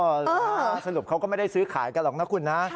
สรุปเขาก็ไม่ได้ซื้อขายกันหรอกนะคุณนะ